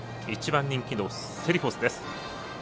１番人気のセリフォスです。